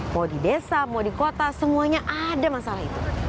mau di desa mau di kota semuanya ada masalah itu